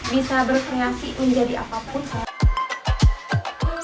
bisa berkongsi menjadi apapun